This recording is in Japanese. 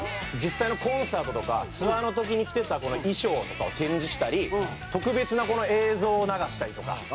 実際のコンサートとかツアーの時に着てたこの衣装とかを展示したり特別なこの映像を流したりとか。